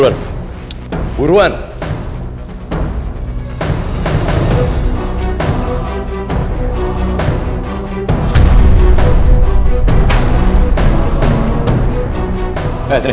aku mau pergi